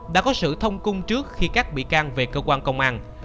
đã có sự thông cung trước khi các bị can về cơ quan công an